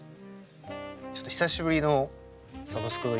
ちょっと久しぶりの「サブスク堂」